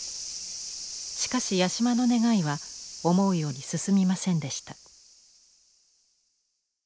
しかし八島の願いは思うように進みませんでした。